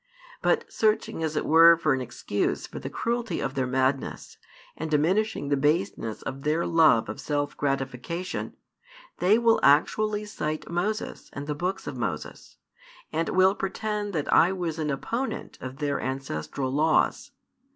But searching as it were for an excuse for the cruelty of their madness, and diminishing the baseness of their love of self gratification, they will actually cite Moses and the books of Moses, and will pretend that I was an opponent of their ancestral laws.